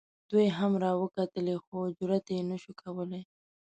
دوی هم را وکتلې خو جرات یې نه شو کولی.